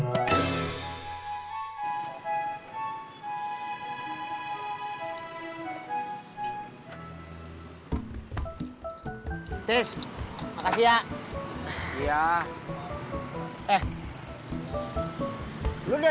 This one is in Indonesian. oh ngeluk summary kumpulan nih